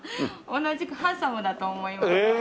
同じくハンサムだと思います。